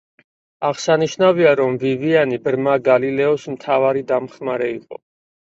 აღსანიშნავია, რომ ვივიანი ბრმა გალილეოს მთავარი დამხმარე იყო.